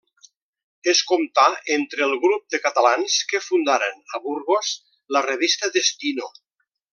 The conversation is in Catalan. Es comptà entre el grup de catalans que fundaren, a Burgos, la revista Destino.